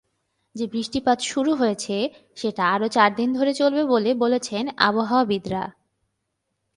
যে বৃষ্টিপাত শুরু হয়েছে, সেটা আরও চারদিন ধরে চলবে বলে বলছেন আবহাওয়াবিদরা।